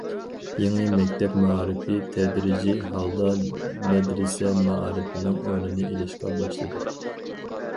يېڭى مەكتەپ مائارىپى تەدرىجىي ھالدا مەدرىسە مائارىپىنىڭ ئورنىنى ئېلىشقا باشلىدى.